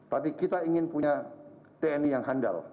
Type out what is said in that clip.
tapi kita ingin punya tni yang handal